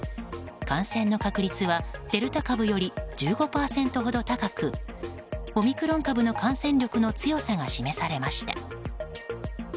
感染の確率はデルタ株より１５％ほど高くオミクロン株の感染力の強さが示されました。